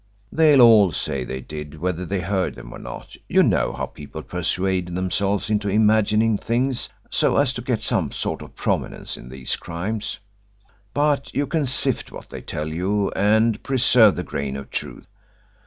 They'll all say they did whether they heard them or not you know how people persuade themselves into imagining things so as to get some sort of prominence in these crimes. But you can sift what they tell you and preserve the grain of truth.